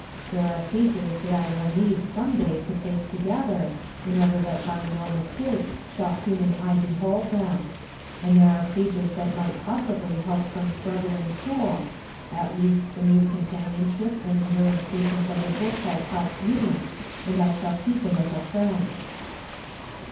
There are pages that I will need, some day, to paste together, in order that by no mistake shaU. human eye behold them ; and there are pages that might possibly help some strug gling soul, at least the mute companionship and enduring patience of the book has helped me, and I shall keep it ag a friend.